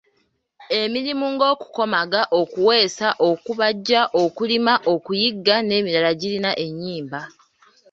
Emirimu ng’okukomaga, okuweesa, okubajja, okulima, okuyigga n’emirala girina ennyimba.